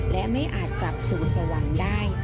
และไม่อาจกลับสู่สวรรค์ได้